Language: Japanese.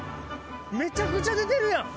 めちゃくちゃ出てるやん！